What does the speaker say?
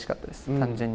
単純に。